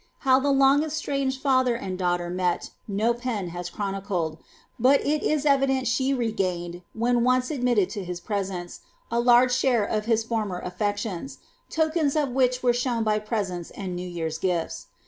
How tiie long estranged father and daughter met, no pen has chronicled, but it is evident she regained, when once admitted to his presence, a large sliarc of his former alleclions, tokens of which were shown by presents and New year's gifts.